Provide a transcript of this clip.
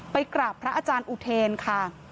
กราบพระอาจารย์อุเทนค่ะ